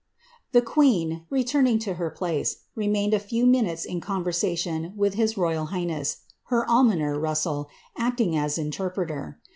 "' The queen, returning to her place, remained a few minatea in con versation with his royal highness, her almoner, Russell, acting aa inter preter.